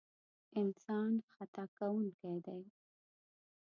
انسان خطا کوونکی دی.